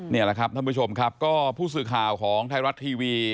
นี่แหละครับท่านผู้ชมครับก็ผู้สื่อข่าวของไทยรัฐทีวี